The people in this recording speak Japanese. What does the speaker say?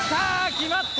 決まった！